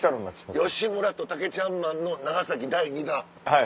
吉村とタケちゃんマンの長崎第２弾。